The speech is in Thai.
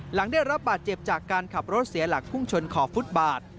หลังได้รับบาดเจ็บจากการขับรถเสียหลักพุ่งชนขอบฟุตบาท